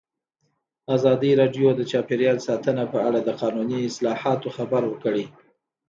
ازادي راډیو د چاپیریال ساتنه په اړه د قانوني اصلاحاتو خبر ورکړی.